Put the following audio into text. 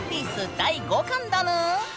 第５巻だぬ！